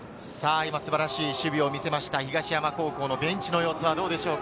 今、素晴らしい守備を見せました、東山高校のベンチの様子はどうでしょうか？